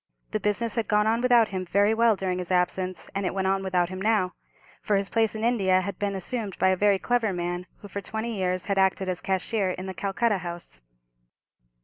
The business had gone on without him very well during his absence, and it went on without him now, for his place in India had been assumed by a very clever man, who for twenty years had acted as cashier in the Calcutta house.